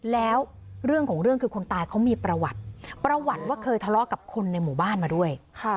แล้วเรื่องของเรื่องคือคนตายเขามีประวัติประวัติว่าเคยทะเลาะกับคนในหมู่บ้านมาด้วย